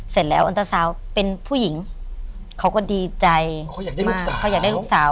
เสร็จแล้วอันต้าสาวเป็นผู้หญิงเขาก็ดีใจเขาอยากได้มากเขาอยากได้ลูกสาว